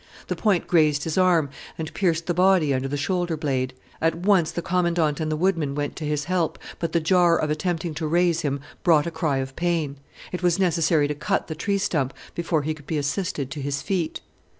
The point grazed his arm and pierced the body under the shoulder blade. At once the Commandant and the woodman went to his help, but the jar of attempting to raise him brought a cry of pain. It was necessary to cut the tree stump before he could be assisted to his feet.